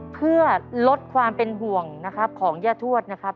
เพื่อลดความเป็นห่วงนะครับของย่าทวดนะครับ